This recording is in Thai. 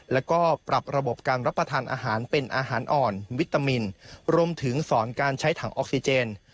แล้วก็ปรับระบบการรับประทานอาหารเป็นอาหารอ่อนวิตามินรวมถึงสอนการใช้ถังออกซิเจน